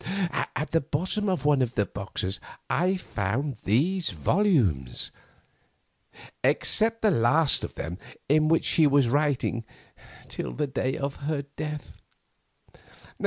At the bottom of one of the boxes I found these volumes, except the last of them, in which she was writing till the day of her death.